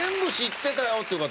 全部知ってたよっていう方。